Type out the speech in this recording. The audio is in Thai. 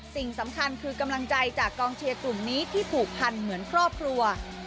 สิ่งสำคัญคือกำลังใจจากกองเชียร์กลุ่มนี้ที่ผูกพันเหมือนครอบครัว